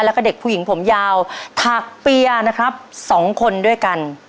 แล้วก็เด็กผู้หญิงผมยาวถักเปียนะครับ๒คนด้วยกัน